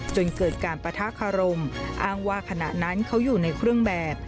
จนเกิดการปะทะคารมอ้างว่าขณะนั้นเขาอยู่ในเครื่องแบบ